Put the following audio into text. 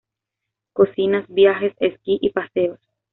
Cocina, Viajes, esquí y paseos